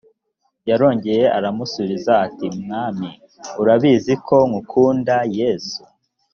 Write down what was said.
yarongeye aramusubiza ati mwami urabizi ko ngukunda yesu